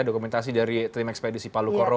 dokumentasi dari tim ekspedisi palukoro